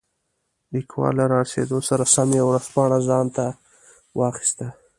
لیکوال له رارسېدو سره سم یوه ورځپاڼه ځانته واخیسته.